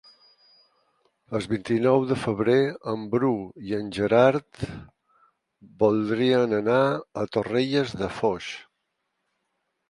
El vint-i-nou de febrer en Bru i en Gerard voldrien anar a Torrelles de Foix.